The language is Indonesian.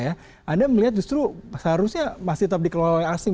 anda melihat justru seharusnya masih tetap dikelola oleh asing